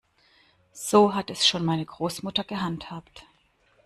So hat es schon meine Großmutter gehandhabt.